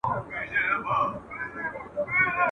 مدرسې یې د ښارونو کړلې بندي ..